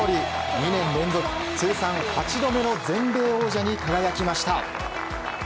２年連続通算８度目の全米王者に輝きました。